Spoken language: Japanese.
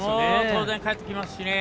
当然、かえってきますね。